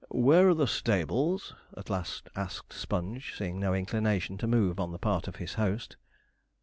'Where are the stables?' at last asked Sponge, seeing no inclination to move on the part of his host.